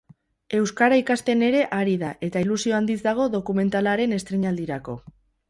Euskara ikasten ere ari da eta ilusio handiz dago dokumentalaren estreinaldirako.